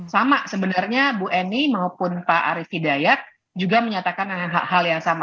sama sebenarnya bu eni maupun pak arief hidayat juga menyatakan hal yang sama